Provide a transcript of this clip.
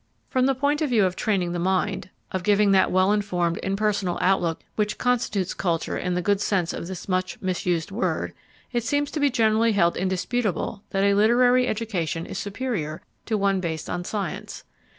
From the point of view of training the mind, of giving that well informed, impersonal outlook which constitutes culture in the good sense of this much misused word, it seems to be generally held indisputable that a literary education is superior to one based on science.